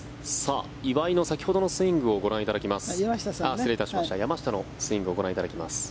山下の先ほどのスイングをご覧いただきます。